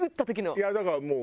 いやだからもう。